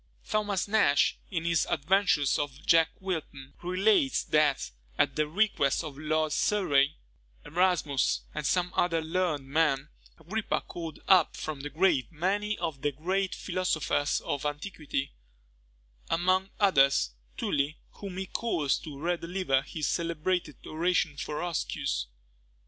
Thomas Nash, in his Adventures of Jack Wilton, relates, that, at the request of Lord Surrey, Erasmus, and some other learned men, Agrippa called up from the grave many of the great philosophers of antiquity; among others, Tully, whom he caused to re deliver his celebrated oration for Roscius.